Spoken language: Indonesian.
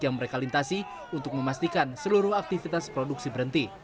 yang mereka lintasi untuk memastikan seluruh aktivitas produksi berhenti